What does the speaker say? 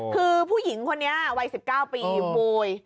คือผู้หญิงคนนี้วัย๑๙ปีโวย